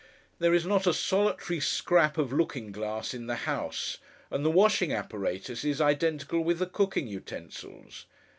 There is not a solitary scrap of looking glass in the house, and the washing apparatus is identical with the cooking utensils.